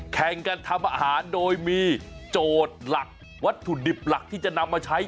แข่งกันทำอาหารโดยมีโจทย์หลักวัตถุดิบหลักที่จะนำมาใช้